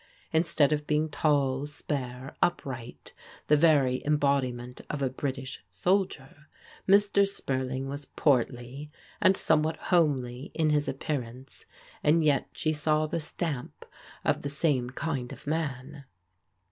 Instead of being tall, spare, upright, the very embodi ment of a British soldier, Mr. Spurling was portly, and somewhat homely in his appearance, and yet she saw the stamp of the same kind of man.